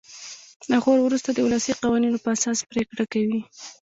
له غور وروسته د ولسي قوانینو په اساس پرېکړه کوي.